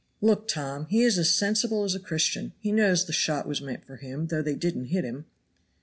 "Look, Tom, he is as sensible as a Christian. He knows the shot was meant for him, though they didn't hit him."